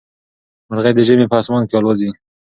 مرغۍ د ژمي په اسمان کې الوزي.